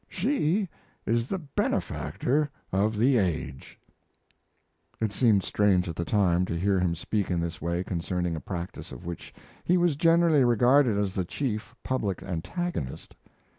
She is the benefactor of the age." It seemed strange, at the time, to hear him speak in this way concerning a practice of which he was generally regarded as the chief public antagonist.